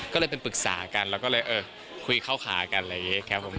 ก็เลยเป็นปรึกษากันแล้วก็เลยเออคุยเข้าขากันอะไรอย่างนี้ครับผม